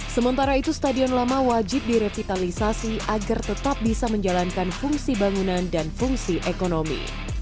sementara itu stadion lama wajib direvitalisasi agar tetap bisa menjalankan fungsi bangunan dan fungsi ekonomi